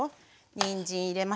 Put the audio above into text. にんじん入れましたよ。